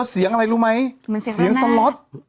เสียงอะไรรู้ไหมเสียงสล็อต